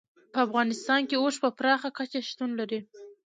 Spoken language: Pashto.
په افغانستان کې اوښ په پراخه کچه شتون لري.